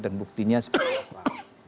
dan buktinya seperti apa